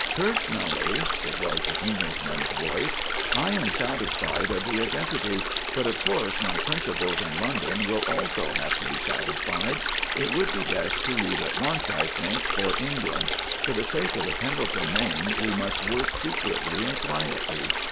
"Personally," it was the Englishman's voice, "I am satisfied of the identity. But of course my principals in London will also have to be satisfied. It would be best to leave at once, I think, for England. For the sake of the Pendelton name we must work secretly and quietly.